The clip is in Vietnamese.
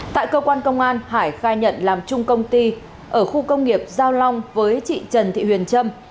tại cơ quan công an hải khai nhận làm chung công ty ở khu công nghiệp giao long với chị trần thị huyền trâm